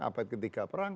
abad ketiga perang